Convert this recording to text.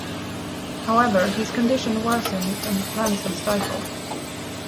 However, his condition worsened and the plans were stifled.